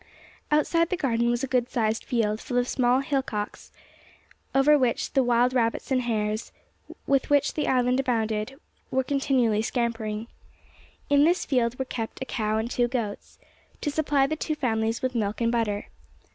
Outside the garden was a good sized field full of small hillocks, over which the wild rabbits and hares, with which the island abounded, were continually scampering. In this field were kept a cow and two goats, to supply the two families with milk and butter.